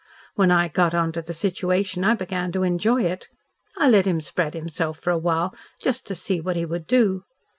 When I got on to the situation, I began to enjoy it. I let him spread himself for a while just to see what he would do.